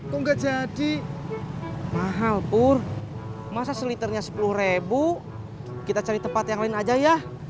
kok nggak jadi mahal bur masa seliternya sepuluh ribu kita cari tempat yang lain aja ya